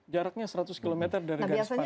jaraknya seratus km dari garis panjang nah biasanya